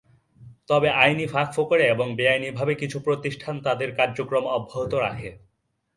তবে আইনি ফাঁকফোকরে এবং বেআইনিভাবে কিছু প্রতিষ্ঠান তাদের কার্যক্রম অব্যাহত রাখে।